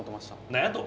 なんやと？